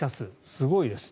すごいです。